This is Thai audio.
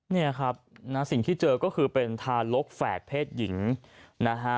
เนี่ยครับนะสิ่งที่เจอก็คือเป็นทารกแฝดเพศหญิงนะฮะ